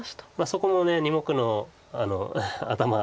そこの２目の頭。